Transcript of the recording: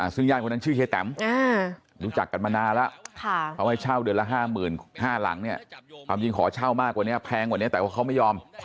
ซึ่งญาติของนั่นชื่อเฮียแตม